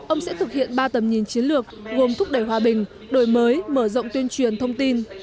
ông sẽ thực hiện ba tầm nhìn chiến lược gồm thúc đẩy hòa bình đổi mới mở rộng tuyên truyền thông tin